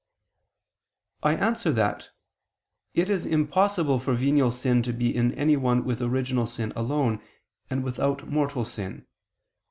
I answer that, It is impossible for venial sin to be in anyone with original sin alone, and without mortal sin.